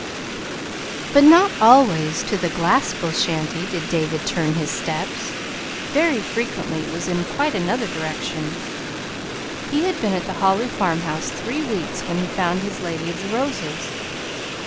But not always toward the Glaspell shanty did David turn his steps. Very frequently it was in quite another direction. He had been at the Holly farmhouse three weeks when he found his Lady of the Roses.